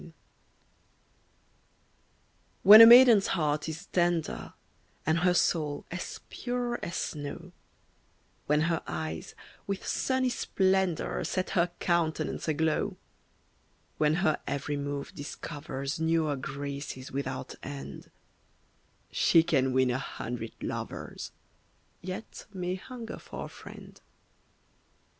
SONG. When a maiden's heart is tender, And her soul as pure as snow; When her eyes, with sunny splendor, Set her countenance aglow; When her every move discovers Newer graces without end, She can win a hundred lovers, Yet may hunger for a friend.